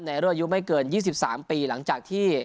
ในรออยู่ไม่เกิน๒๓ปีหลังจากที่